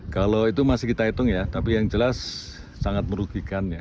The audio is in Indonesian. kalau itu masih kita hitung ya tapi yang jelas sangat merugikan ya